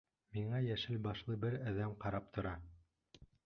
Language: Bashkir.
Миңә йәшел башлы бер әҙәм ҡарап тора.